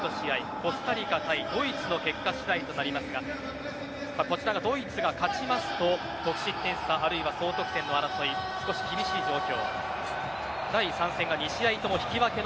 コスタリカ対ドイツの結果次第となりますがこちらがドイツが勝ちますと得失点差あるいは総得点差の争い少し厳しい状況。